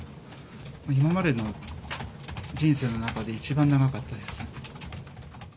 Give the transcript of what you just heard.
今までの人生の中で、一番長かったです。